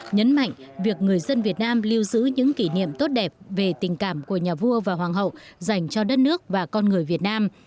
nhấn mạnh việc người dân việt nam lưu giữ những kỷ niệm tốt đẹp về tình cảm của nhà vua và hoàng hậu dành cho đất nước và con người việt nam